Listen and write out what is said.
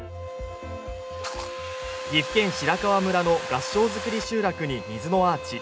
岐阜県白川村の合掌造り集落に水のアーチ。